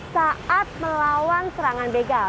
saat melawan serangan begal